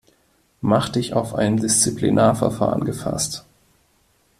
Mach dich auf ein Disziplinarverfahren gefasst.